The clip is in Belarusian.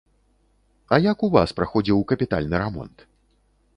А як у вас праходзіў капітальны рамонт?